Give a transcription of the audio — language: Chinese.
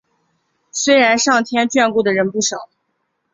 虽然上天眷顾的人不少